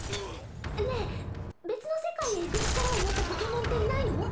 ねぇ別の世界へ行く力を持ったポケモンっていないの？